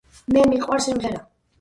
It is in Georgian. მე მიყვარს სიმღერა